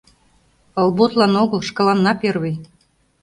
Олботлан огыл, шкаланна первый!